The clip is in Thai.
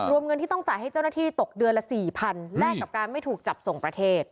เงินที่ต้องจ่ายให้เจ้าหน้าที่ตกเดือนละ๔๐๐แลกกับการไม่ถูกจับส่งประเทศ